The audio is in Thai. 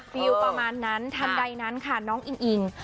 ฟิลประมาณนั้นทันใดนั้นค่ะน้องอิงอิง